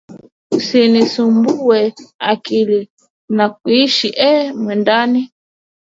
Sinisumbuwe akili, nakusihi e mwendani,